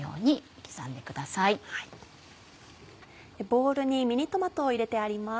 ボウルにミニトマトを入れてあります。